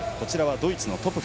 ドイツのトプフ。